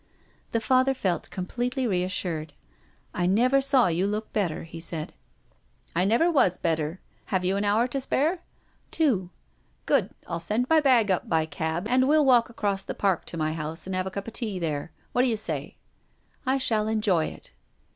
The Father felt completely reassured. " I never saw you look better," he said. 296 TONGUES OF CONSCIENCE. " I never was better. Have you an hour to '" Two." " Good. I'll send my bag up by cab, and we'll walk across the Park to my house and have a cup of tea there. What d'you say ?"" I shall enjoy it."